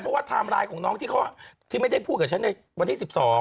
เพราะว่าไทม์ไลน์ของน้องที่เขาที่ไม่ได้พูดกับฉันในวันที่๑๒